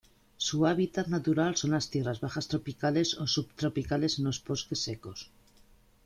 Su hábitat natural son las tierras bajas tropicales o subtropicales en los bosques secos.